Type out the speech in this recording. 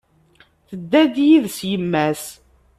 Tedda-d yid-s yemma-s.